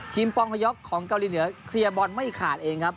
ปองฮยอกของเกาหลีเหนือเคลียร์บอลไม่ขาดเองครับ